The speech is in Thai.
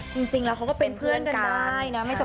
จริงแล้วเขาก็เป็นเพื่อนกันได้นะ